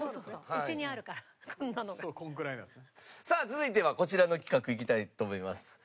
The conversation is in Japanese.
さあ続いてはこちらの企画いきたいと思います。